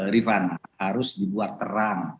rifan harus dibuat terang